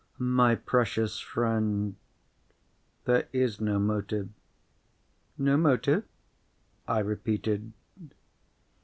My precious friend, there is no motive." "No motive?" I repeated.